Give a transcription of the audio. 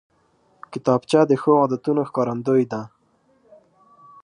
کتابچه د ښو عادتونو ښکارندوی ده